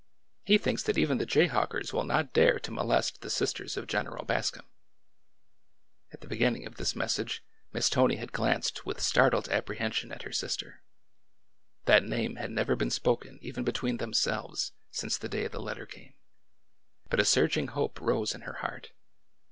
He thinks that even the jayhawkers will not dare to mo lest the sisters of General Bascom." At the beginning of this message Miss Tony had glanced with startled apprehension at her sister. That name had never been spoken even between themselves since the day the letter came. But a surging hope rose in her heart.